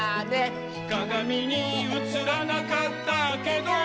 「かがみにうつらなかったけど」